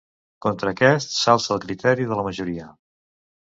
Contra aquests, s'alça el criteri de la majoria.